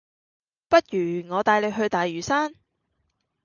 不如我帶你去大嶼山